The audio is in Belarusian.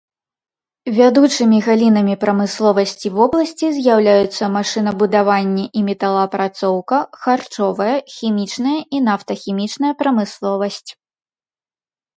Вядучымі галінамі прамысловасці вобласці з'яўляюцца машынабудаванне і металаапрацоўка, харчовая, хімічная і нафтахімічная прамысловасць.